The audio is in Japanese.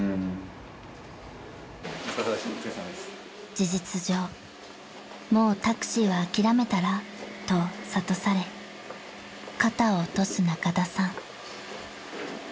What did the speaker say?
［事実上「もうタクシーは諦めたら」と諭され肩を落とす仲田さん］